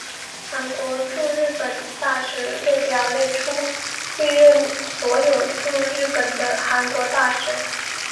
韩国驻日本大使列表列出历任所有驻日本的韩国大使。